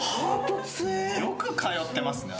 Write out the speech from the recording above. よく通ってますねあなた。